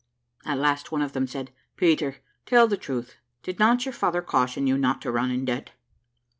At last one of them said, "Peter, tell the truth; did not your father caution you not to run in debt?"